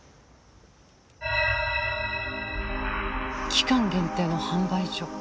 期間限定の販売所。